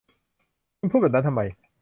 คุณพูดแบบนั้นทำไม